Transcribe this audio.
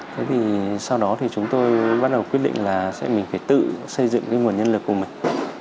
thế thì sau đó thì chúng tôi bắt đầu quyết định là sẽ mình phải tự xây dựng cái nguồn nhân lực của mình